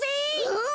うん。